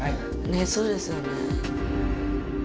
ねえそうですよね。